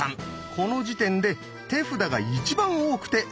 この時点で手札が一番多くて６枚。